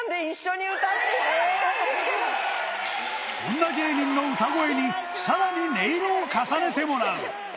女芸人の歌声に、さらに音色を重ねてもらう。